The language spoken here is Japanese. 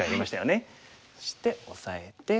そしてオサえて。